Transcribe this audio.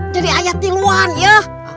jadi ayat diluan ya